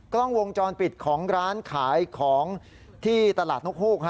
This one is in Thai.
กล้องวงจรปิดของร้านขายของที่ตลาดนกฮูก